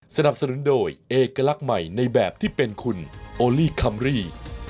สนับสนุนโดยเอกลักษณ์ใหม่ในแบบที่เป็นคุณโอลี่คัมรี่